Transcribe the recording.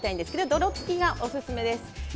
泥付きがおすすめです。